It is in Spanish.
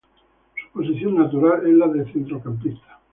Su posición natural es la de centrocampista.